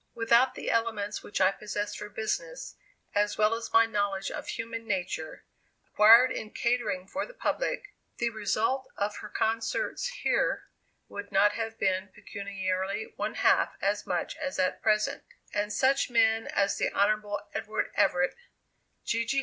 Without the elements which I possess for business, as well as my knowledge of human nature, acquired in catering for the public, the result of her concerts here would not have been pecuniarily one half as much as at present and such men as the Hon. Edward Everett, G. G.